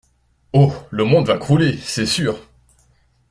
Oh ! le monde va crouler, c'est sûr.